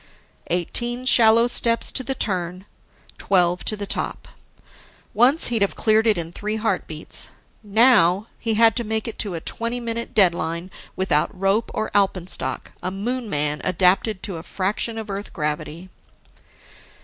Eighteen shallow steps to the turn, twelve to the top. Once, he'd have cleared it in three heartbeats. Now, he had to make it to a twenty minute deadline, without rope or alpenstock, a Moon man adapted to a fraction of Earth gravity.